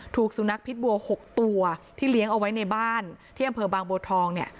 ถูกสุนัขพิษบัว๖ตัวที่เลี้ยงเอาไว้ในบ้านที่อำเภอบางบัวทองเนี่ย